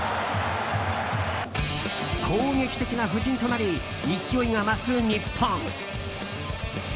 攻撃的な布陣となり勢いが増す日本。